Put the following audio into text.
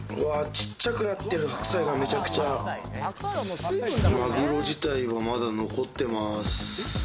ちっちゃくなってる白菜がめちゃくちゃマグロ自体はまだ残ってます